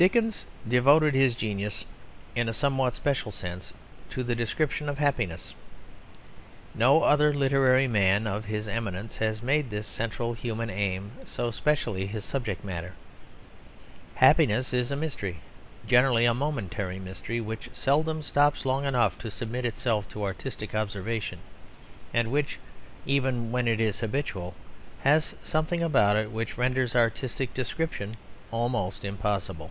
Dickens devoted his genius in a somewhat special sense to the description of happiness. No other literary man of his eminence has made this central human aim so specially his subject matter. Happiness is a mystery generally a momentary mystery which seldom stops long enough to submit itself to artistic observation, and which, even when it is habitual, has something about it which renders artistic description almost impossible.